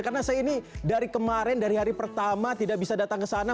karena saya ini dari kemarin dari hari pertama tidak bisa datang ke sana